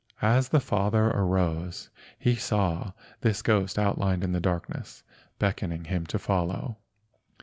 As the father arose he saw this ghost outlined in the darkness, beckoning him to follow.